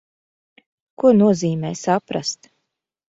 Ko nozīmē saprast?